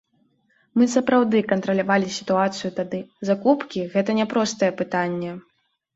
Мы сапраўды кантралявалі сітуацыю тады, закупкі гэта няпростае пытанне.